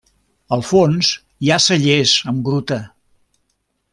Al fons hi ha cellers amb gruta.